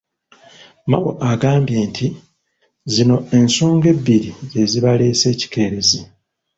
Mao agambye nti zino ensonga ebbiri ze zibaleese ekikeerezi.